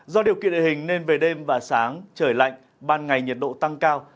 do điều kiện địa hình nên về đêm và sáng trời lạnh ban ngày nhiệt độ tăng cao